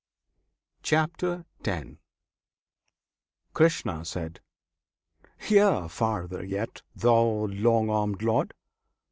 CHAPTER X Krishna.[FN#l6] Hear farther yet, thou Long Armed Lord!